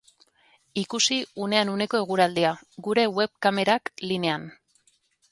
Ikusi unean uneko eguraldia, gure web-kamerak linean.